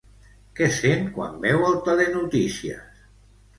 Què sent quan veu el telenotícies?